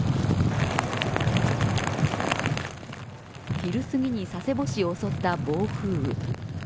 昼過ぎに佐世保市を襲った暴風雨。